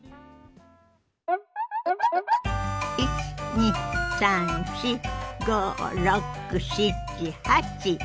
１２３４５６７８。